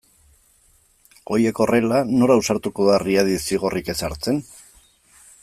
Horiek horrela, nor ausartuko da Riadi zigorrik ezartzen?